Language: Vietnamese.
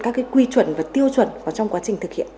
các cái quy chuẩn và tiêu chuẩn trong quá trình thực hiện